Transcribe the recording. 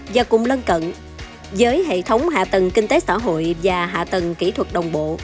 và cùng lân cận với hệ thống hạ tầng kinh tế xã hội và hạ tầng kỹ thuật đồng bộ